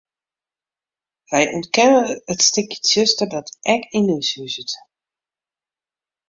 Wy ûntkenne it stikje tsjuster dat ek yn ús huzet.